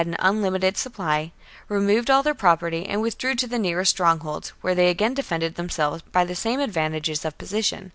c. an unlimited supply, removed all their property, and withdrew to the nearest strongholds, where they again defended themselves by the same advantages of position.